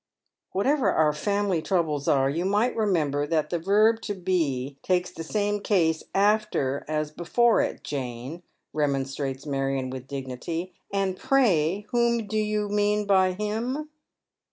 " Whatever our family troubles are, you might remember that the verb to be takes tlie same case after as before it, Jane," remonstrates Marion with dignity. " And pray whom do you ••lean by him